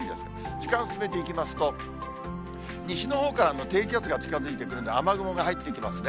時間進めていきますと、西のほうからの低気圧が近づいてくるので、雨雲が入ってきますね。